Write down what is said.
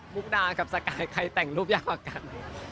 มุกดากับสกายใครแต่งรูปยากกว่ากัน